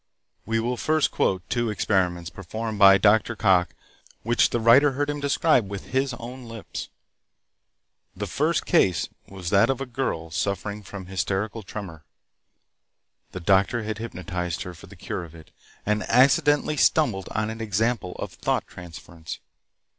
We will first quote two experiments performed by Dr. Cocke which the writer heard him describe with his own lips. The first case was that of a girl suffering from hysterical tremor. The doctor had hypnotized her for the cure of it, and accidentally stumbled on an example of thought transference.